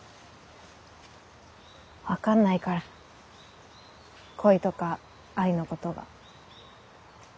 分かんないから恋とか愛のことが。